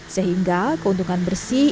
sehingga keuntungan bersih